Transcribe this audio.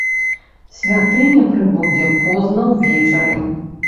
Святыня прыбудзе позна ўвечары.